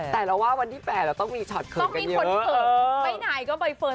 แต่เราว่าวันที่๘ต้องมีเกิดขอบคุณ